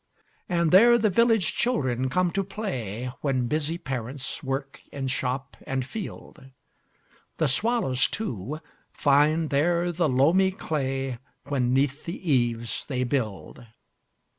And there the village children come to play, When busy parents work in shop and field. The swallows, too, find there the loamy clayWhen 'neath the eaves they build.